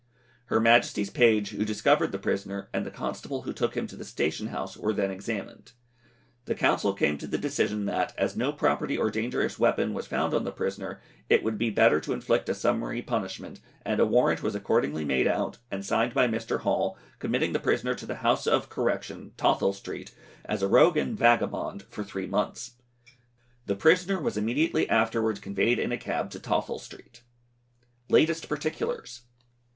Her Majesty's page, who discovered the prisoner, and the constable who took him to the station house, were then examined. The Council came to the decision that, as no property or dangerous weapon was found on the prisoner, it would be better to inflict a summary punishment; and a warrant was accordingly made out, and signed by Mr. Hall, committing the prisoner to the House of Correction, Tothill Street, as a rogue and vagabond, for three months. The prisoner was immediately afterwards conveyed in a cab to Tothill Street. LATEST PARTICULARS.